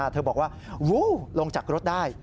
เธอบอกว่าวู้ลงจากรถได้